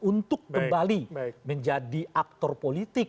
untuk kembali menjadi aktor politik